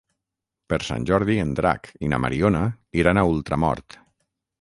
Per Sant Jordi en Drac i na Mariona iran a Ultramort.